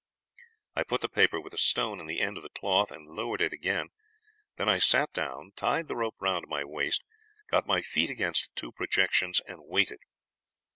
"I put the paper with a stone in the end of the cloth, and lowered it again. Then I sat down, tied the rope round my waist, got my feet against two projections, and waited.